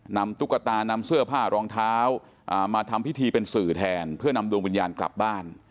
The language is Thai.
ตุ๊กตานำเสื้อผ้ารองเท้ามาทำพิธีเป็นสื่อแทนเพื่อนำดวงวิญญาณกลับบ้าน